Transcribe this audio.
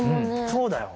そうだよ。